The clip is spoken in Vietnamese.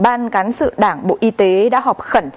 ban cán sự đảng bộ y tế đã họp khẩn